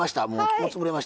もう潰れました。